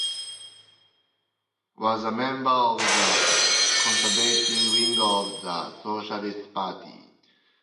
McLevy was a member of the conservative wing of the Socialist Party.